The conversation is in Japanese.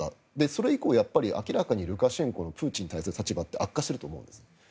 それ以降明らかにルカシェンコのプーチンに対する態度って悪化していると思うんです。